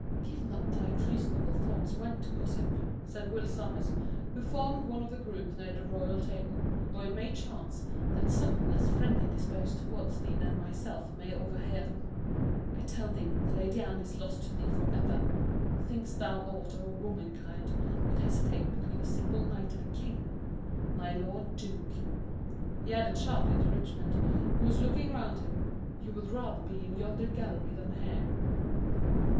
"Give not thy treasonable thoughts vent, gossip," said Will Sommers, who formed one of the group near the royal table, "or it may chance that some one less friendly disposed towards thee than myself may overhear them. I tell thee, the Lady Anne is lost to thee for ever. Think'st thou aught of womankind would hesitate between a simple knight and a king? My lord duke," he added sharply to Richmond, who was looking round at him, "you would rather be in yonder gallery than here."